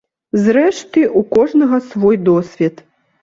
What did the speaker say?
Зрэшты, у кожнага свой досвед.